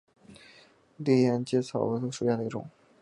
丽叶沿阶草为百合科沿阶草属下的一个种。